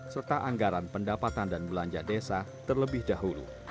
serta anggaran pendapatan dan belanja desa terlebih dahulu